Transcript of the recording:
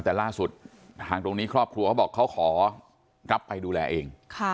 แต่ล่าสุดทางตรงนี้ครอบครัวเขาบอกเขาขอรับไปดูแลเอง